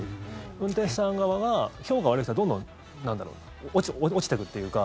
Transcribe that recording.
運転手さん側が評価が悪い人はどんどん落ちていくというか。